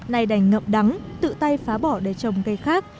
nay đành ngậm đắng tự tay phá bỏ để trồng cây khác